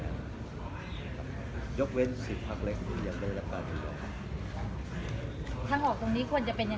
ทางออกตรงนี้ควรจะเป็นยังไงครับคุณธรรมนัก